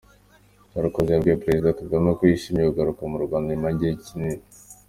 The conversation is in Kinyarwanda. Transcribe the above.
Sarkozy yabwiye Perezida Kagame ko yishimiye kugaruka mu Rwanda nyuma y’igihe kinini.